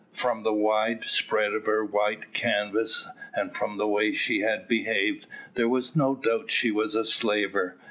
From the wide spread of her white canvas, and from the way she had behaved, there was no doubt she was a slaver.